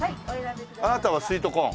あなたはスウィートコーン？